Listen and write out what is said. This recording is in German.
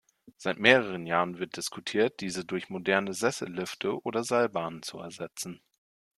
Seit mehreren Jahren wird diskutiert, diese durch modernere Sessellifte oder Seilbahnen zu ersetzen.